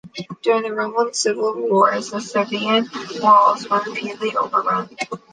During the Roman civil wars, the Servian walls were repeatedly overrun.